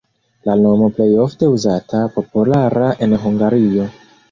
La nomo plej ofte uzata, populara en Hungario.